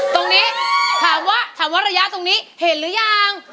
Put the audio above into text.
ตรงนี้ถามว่าถามว่าระยะตรงนี้เห็นหรือยัง